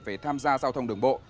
về tham gia giao thông đường bộ